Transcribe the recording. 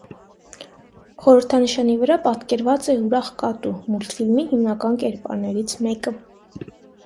Խորհրդանշանի վրա պատկերված է ուրախ կատու (մուլտֆիլմի հիմնական կերպարներից մեկը)։